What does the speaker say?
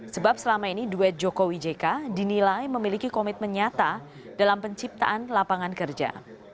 sebab selama ini duet jokowi jk dinilai memiliki komitmen nyata dalam penciptaan lapangan kerja